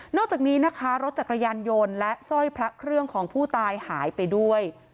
อกจากนี้นะคะรถจักรยานยนต์และสร้อยพระเครื่องของผู้ตายหายไปด้วย